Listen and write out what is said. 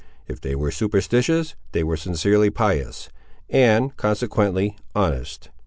If they were superstitious, they were sincerely pious, and, consequently, honest.